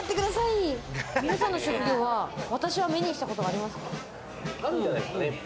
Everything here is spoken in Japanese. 皆さんの職業は、私は目にしたことがあるんじゃないですかね。